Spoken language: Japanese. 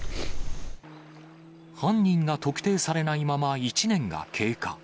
犯人が特定されないまま、１年が経過。